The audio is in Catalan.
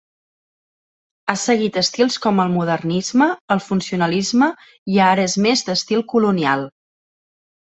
Ha seguit estils com el modernisme, el funcionalisme, i ara és més d'estil colonial.